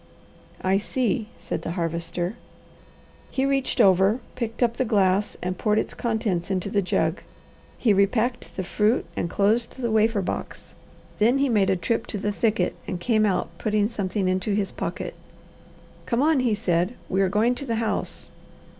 "I see," said the Harvester. He reached over, picked up the glass, and poured its contents into the jug. He repacked the fruit and closed the wafer box. Then he made a trip to the thicket and came out putting something into his pocket. "Come on!" he said. "We are going to the house."